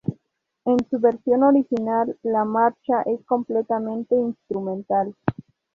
En su versión original, la marcha es completamente instrumental.